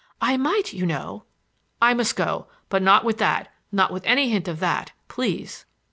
"I might, you know!" "I must go,—but not with that, not with any hint of that,—please!"